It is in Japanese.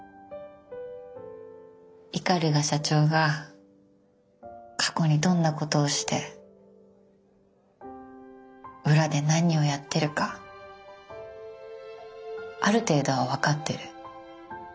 鵤社長が過去にどんなことをして裏で何をやってるかある程度は分かってる。